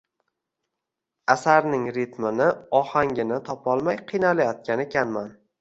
Asarning ritmini, ohangini topolmay qiynalayotgan ekanman